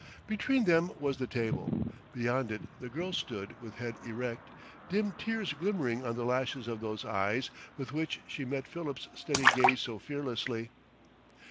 Between them was the table. Beyond it the girl stood with head erect, dim tears glimmering on the lashes of those eyes with which she met Philip's steady gaze so fearlessly.